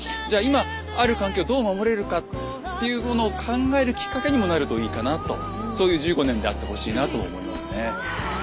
じゃあ今ある環境をどう守れるかっていうものを考えるきっかけにもなるといいかなとそういう１５年であってほしいなと思いますね。